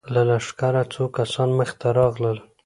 له لښکره څو کسان مخې ته راغلل.